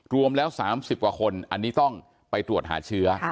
รวมแล้ว๓๐กว่าคนอันนี้ต้องไปตรวจหาเชื้อ